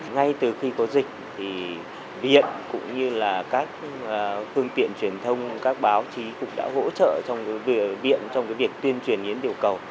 ngay từ khi có dịch thì viện cũng như là các phương tiện truyền thông các báo chí cũng đã hỗ trợ trong việc tuyên truyền hiến tiểu cầu